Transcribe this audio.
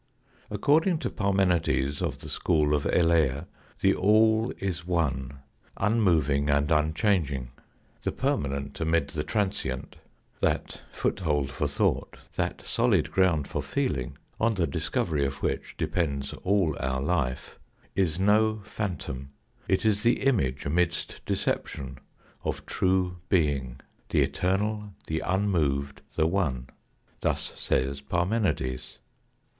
According to Parmenides of the school of Elea the all is one, unmoving and unchanging. The permanent amid the transient that foothold for thought, that solid ground for feeling on the discovery of which depends all our life is no phantom ; it is the image amidst deception of true being, the eternal, the unmoved, the one. Thus says Parmenides.